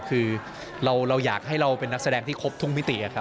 คือเราอยากให้เราเป็นนักแสดงที่ครบทุกมิติ